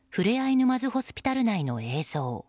沼津ホスピタル内の映像。